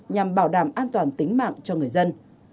nhằm bảo đảm an toàn tính mạng cho người dân